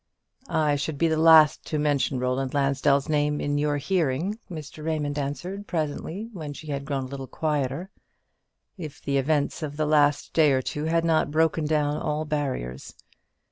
"I should be the last to mention Roland Lansdell's name in your hearing," Mr. Raymond answered presently, when she had grown a little quieter, "if the events of the last day or two had not broken down all barriers.